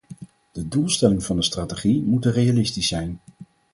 De doelstellingen van de strategie moeten realistisch zijn.